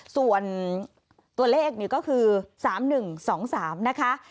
ส่วนตัวเลขนี่ก็คือ๓๑๒๓นะคะ